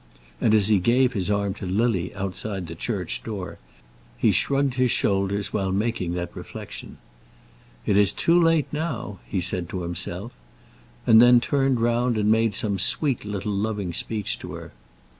And as he gave his arm to Lily outside the church door, he shrugged his shoulders while making that reflection. "It is too late now," he said to himself; and then turned round and made some sweet little loving speech to her.